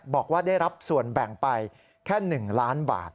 บอกว่าได้รับส่วนแบ่งไปแค่๑ล้านบาท